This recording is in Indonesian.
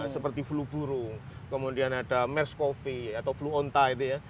seperti flu burung kemudian ada mers cov atau flu on time itu ya